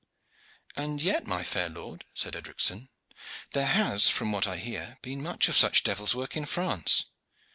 "And yet, my fair lord," said Edricson, "there has, from what I hear, been much of such devil's work in France."